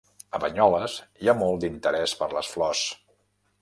A Banyoles hi ha molt d'interès per les flors.